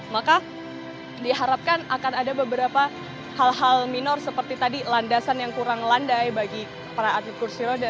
maka diharapkan akan ada beberapa hal hal minor seperti tadi landasan yang kurang landai bagi para atlet kursi roda